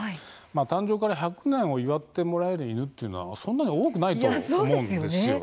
誕生から１００年を祝ってもらえる犬というのはそんなに多くないと思うんです。